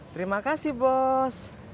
terima kasih bos